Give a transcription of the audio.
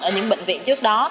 ở những bệnh viện trước đó